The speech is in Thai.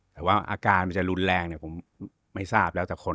แต่ว่าอาการมันจะรุนแรงผมไม่ทราบแล้วแต่คน